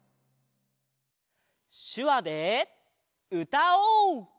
しゅわでうたおう！